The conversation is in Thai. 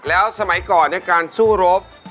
แล้วสมัยก่อนการสู้รบ